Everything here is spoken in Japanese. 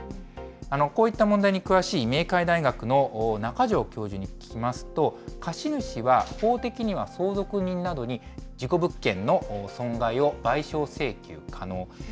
こういった問題に詳しい明海大学の中城教授に聞きますと、貸主は法的には相続人などに事故物件の損害を賠償請求可能。